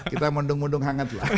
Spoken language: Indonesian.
kita mendung mundung hangat lah